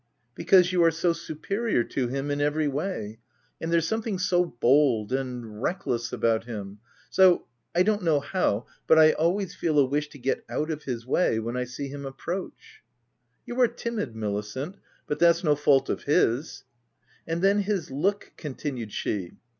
" Because you are so superior to him in every way, and there's something so bold — and reckless about him — so, I don't know how — but I always feel a wish to get out of his way, when I see him approach." €€ You are timid, Milicent, but that's no fault of his/' " And then his look/' continued she.